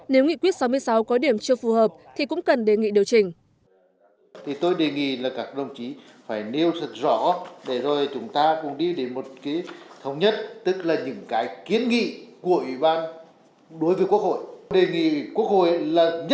nếu nghị quyết sáu mươi sáu có điểm chưa phù hợp thì cũng cần đề nghị điều chỉnh